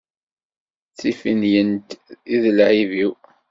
D tiffinyent i d lɛib-iw.